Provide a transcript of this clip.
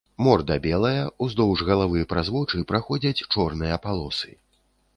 Морда белая, уздоўж галавы праз вочы праходзяць чорныя палосы.